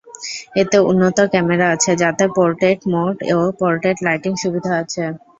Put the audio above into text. এতে উন্নত ক্যামেরা আছে যাতে পোর্টেট মোড ও পোর্টেট লাইটিং সুবিধা আছে।